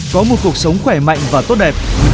có một cuộc sống khỏe mạnh và tốt đẹp